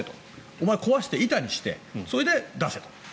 お前、壊して、板にしてそれで出せと。